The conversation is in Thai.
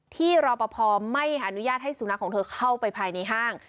รอปภไม่อนุญาตให้สุนัขของเธอเข้าไปภายในห้าง